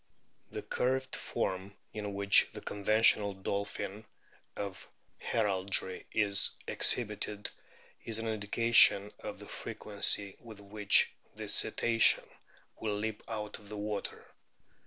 The curved form in which the conventional dolphin of heraldry is ex hibited is an indication of the frequency with which this Cetacean will leap out of the water.